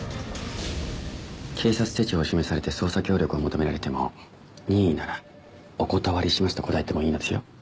警察手帳を示されて捜査協力を求められても任意ならお断りしますと答えてもいいのですよ。